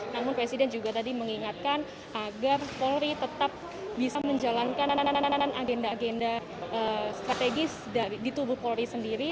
namun presiden juga tadi mengingatkan agar polri tetap bisa menjalankan agenda agenda strategis di tubuh polri sendiri